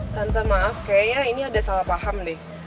tante maaf kayaknya ini ada salah paham deh